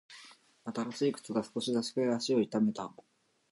新しい靴が少しだけ足を痛めた。